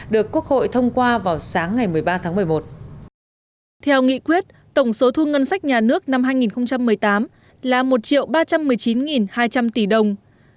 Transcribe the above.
được quốc hội thông qua vào sáng ngày một mươi ba tháng một mươi một